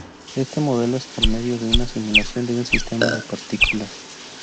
Este modelo es por medio de una simulación de un sistema de partículas.